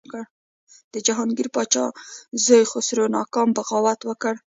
د جهانګیر پاچا زوی خسرو ناکام بغاوت وکړ.